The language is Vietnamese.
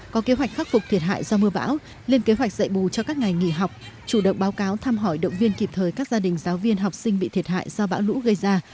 có kế hoạch khắc phục thiệt hại do mưa bão lên kế hoạch dạy bù cho các ngày nghỉ học chủ động báo cáo thăm hỏi động viên kịp thời các gia đình giáo viên học sinh bị thiệt hại do bão lũ gây ra